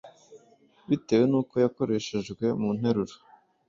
bitewe n’uko yakoreshejwe mu nteruro.